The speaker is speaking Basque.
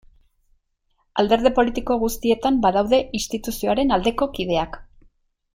Alderdi politiko guztietan badaude instituzioaren aldeko kideak.